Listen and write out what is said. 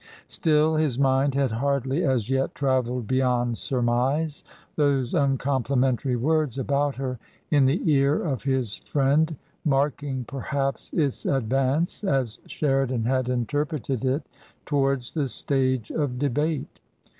Still, his mind had hardly as yet travelled beyond surmise, those uncomplimentary words about her in the ear of his friend marking, perhaps, its advance — as Sheridan had interpreted it — towards the stage of debate.